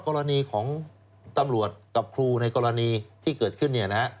กรณีของตำรวจกับครูในกรณีที่เกิดขึ้น